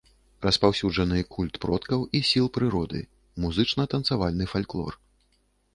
Распаўсюджаны культ продкаў і сіл прыроды, музычна-танцавальны фальклор.